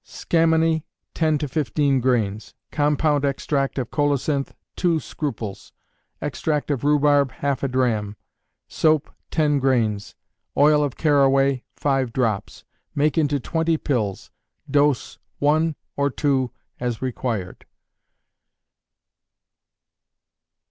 Scammony, 10 to 15 grains; compound extract of colocynth, 2 scruples; extract of rhubarb, half a drachm; soap, 10 grains; oil of caraway, 5 drops. Make into 20 pills. Dose, 1 or 2, as required.